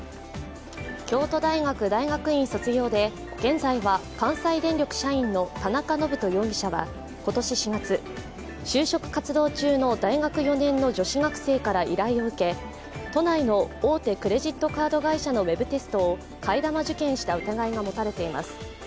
京都大学大学院卒業で現在は関西電力社員の田中信人容疑者は今年４月就職活動中の大学４年の女子学生から依頼を受け都内の大手クレジットカード会社のウェブテストを替え玉受検した疑いが持たれています。